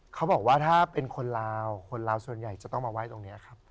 เขาบอกว่าถ้าเป็นคนลาวคนลาวส่วนใหญ่จะต้องมาไห้ตรงนี้ครับ